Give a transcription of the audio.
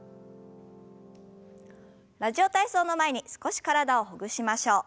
「ラジオ体操」の前に少し体をほぐしましょう。